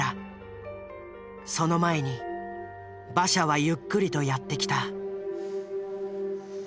その前に馬車はゆっくりとやってきた。